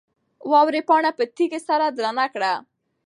واورې پاڼه په تېزۍ سره درنه کړه.